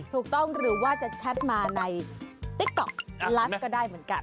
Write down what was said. ถูกต้องหรือว่าจะแชทมาในติ๊กต๊อกไลฟ์ก็ได้เหมือนกัน